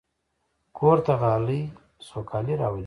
کور ته غالۍ سوکالي راولي.